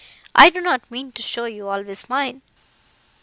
I do not mean to show you always mine."